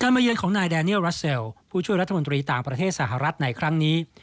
มาเยือนของนายแดเนียลรัสเซลผู้ช่วยรัฐมนตรีต่างประเทศสหรัฐในครั้งนี้